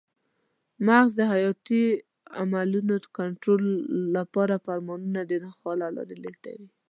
مغز د حیاتي عملونو کنټرول لپاره فرمانونه د نخاع له لارې لېږدوي.